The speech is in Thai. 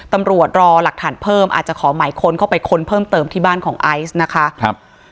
ตำรวจรอหลักฐานเพิ่มอาจจะขอหมายค้นเข้าไปค้นเพิ่มเติมที่บ้านของไอซ์นะคะครับ